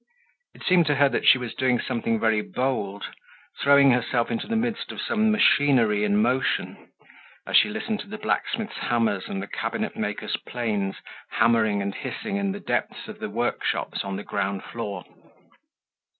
It seemed to her that she was doing something very bold, throwing herself into the midst of some machinery in motion, as she listened to the blacksmith's hammers and the cabinetmakers' planes, hammering and hissing in the depths of the work shops on the ground floor.